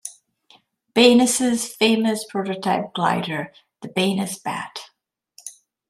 Baynes's famous prototype glider, the Baynes Bat.